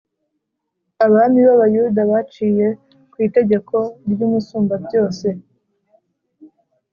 abami ba Yuda baciye ku itegeko ry’Umusumbabyose,